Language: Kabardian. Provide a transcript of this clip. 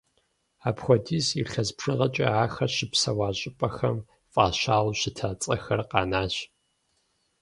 Апхуэдиз илъэс бжыгъэкӏэ ахэр щыпсэуа щӏыпӏэхэм фӏащауэ щыта цӏэхэр къэнащ.